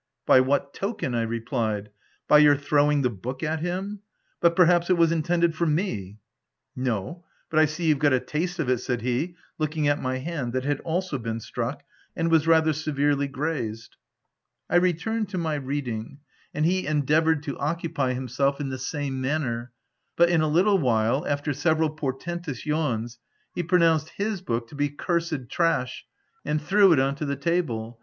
"By what token?" I replied; "by your throwing the book at him ? but perhaps, it was intended for me ? v " No — but I see you've got a taste of it," said he, looking at my hand, that had also been struck, and was rather severely grazed. I returned to my reading; and he endea SO THE TENANT voured to occupy himself in the same manner; but, in a little while, after several portentous yawns, he pronounced his book to be " cursed trash, " and threw it on to the table.